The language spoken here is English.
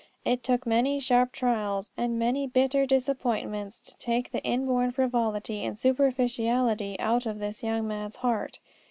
It took many sharp trials and many bitter disappointments to take the inborn frivolity and superficiality out of this young man's heart.